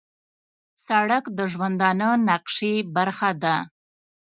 سړک د ژوندانه نقشې برخه ده.